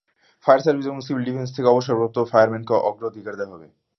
Fire service এবং civil defence থেকে অবসরপ্রাপ্ত ফায়ারম্যানকে অগ্রাধিকার দেওয়া হবে।